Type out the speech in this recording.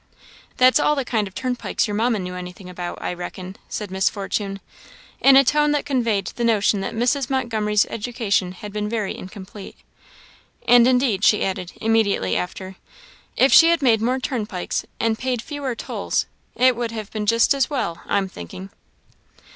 "That's all the kind of turnpikes your Mamma knew anything about, I reckon," said Miss Fortune, in a tone that conveyed the notion that Mrs. Montgomery's education had been very incomplete. "And indeed," she added, immediately after, "if she had made more turnpikes and paid fewer tolls, it would have been just as well, I'm thinking."